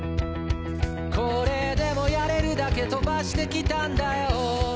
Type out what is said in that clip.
これでもやれるだけ飛ばしてきたんだよ